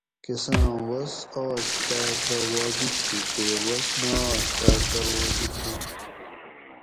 کساں وس آش تاس رہ واجِب تھی تے وس نہ آش تاۤس رہ واجِب نات